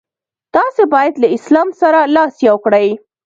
تاسي باید له اسلام سره لاس یو کړئ.